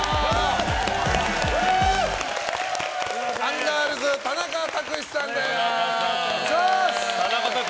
アンガールズ田中卓志さんです！